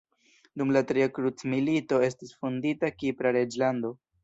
Dum la tria krucmilito estis fondita Kipra reĝlando.